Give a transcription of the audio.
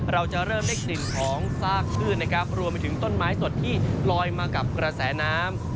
เราจะเริ่มได้กลิ่นของซากชื่นนะครับรวมไปถึงต้นไม้สดที่ลอยมากับกระแสน้ำ